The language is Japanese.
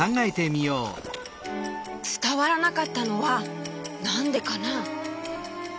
つたわらなかったのはなんでかな？